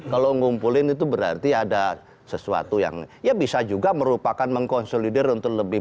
kalau ngumpulin itu berarti ada sesuatu yang ya bisa juga merupakan mengkonsolider untuk lebih